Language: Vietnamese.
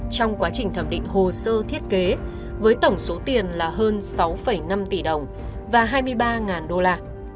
trong quá trình thẩm định hồ sơ thiết kế với tổng số tiền là hơn sáu năm tỷ đồng và hai mươi ba đô la